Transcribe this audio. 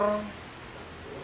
motor motor biasa itu beda